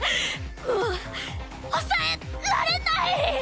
もう抑えられない！